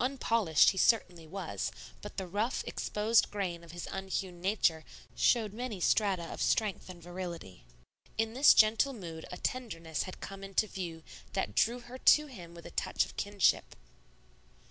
Unpolished he certainly was, but the rough, exposed grain of his unhewn nature showed many strata of strength and virility. In this gentle mood a tenderness had come into view that drew her to him with a touch of kinship.